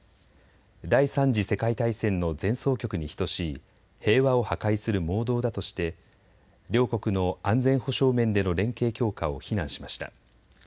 第３次世界大戦の前奏曲に等しい平和を破壊する妄動だとして両国の安全保障面での連携強化を非難しました。